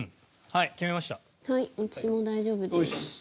はい私も大丈夫です。